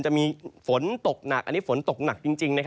จะมีฝนตกหนักอันนี้ฝนตกหนักจริง